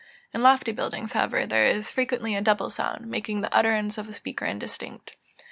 In lofty buildings, however, there is frequently a double sound, making the utterance of a speaker indistinct.